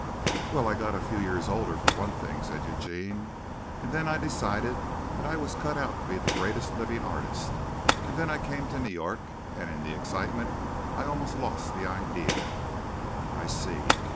"Well, I got a few years older for one thing," said Eugene. "And then I decided that I was cut out to be the greatest living artist, and then I came to New York, and in the excitement I almost lost the idea." "I see."